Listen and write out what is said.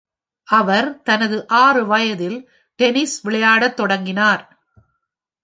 அவர் தனது ஆறு வயதில் டென்னிஸ் விளையாடத் தொடங்கினார்.